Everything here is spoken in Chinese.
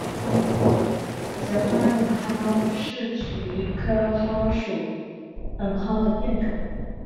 紫花冷蒿是菊科蒿属冷蒿的变种。